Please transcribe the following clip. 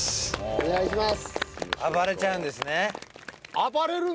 お願いします。